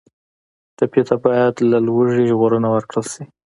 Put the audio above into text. ټپي ته باید له لوږې ژغورنه ورکړل شي.